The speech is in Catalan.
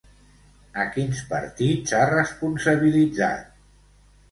A quins partits ha responsabilitzat?